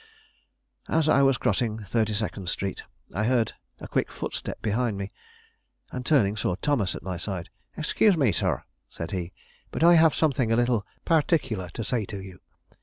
As I was crossing Thirty second Street, I heard a quick footstep behind me, and turning, saw Thomas at my side. "Excuse me, sir," said he, "but I have something a little particular to say to you.